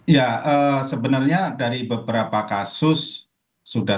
ya sebenarnya dari beberapa kasus sudah